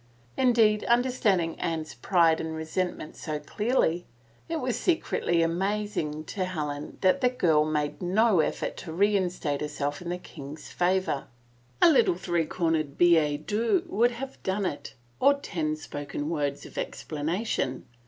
Indeed, understanding Anne's pride and resentment so clearly, it was secretly amazing to Helen that the girl made no effort to reinstate herself in the king's favor. A little three cornered billet doux would have done it, or ten spoken words of explanation.